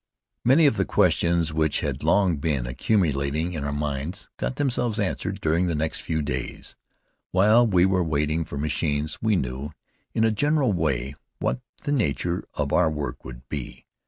Many of the questions which had long been accumulating in our minds got themselves answered during the next few days, while we were waiting for machines. We knew, in a general way, what the nature of our work would be.